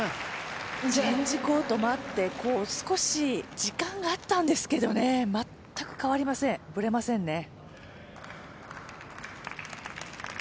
チェンジコートもあって、少し時間があったんですけどね、全く変わりません、ブレませんね。